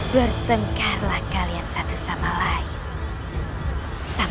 bertengkarlah kalian satu sama lain